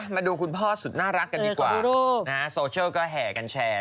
มาดูคุณพ่อสุดน่ารักกันดีกว่า